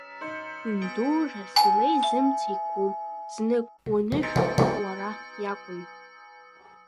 Ҩндурас илеи зымца еиқәым, знык уанышәар уара иакәым.